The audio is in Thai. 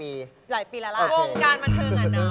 โแลนอันนี้